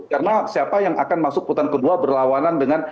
karena siapa yang akan masuk putaran kedua berlawanan dengan